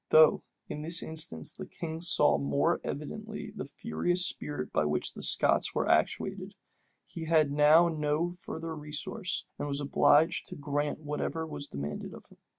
Though in this instance the king saw more evidently the furious spirit by which the Scots were actuated, he had now no further resource, and was obliged to grant whatever was demanded of him.